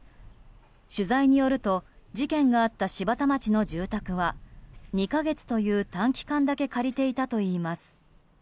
取材によると事件があった柴田町の住宅は２か月という短期間だけ借りていたといいます。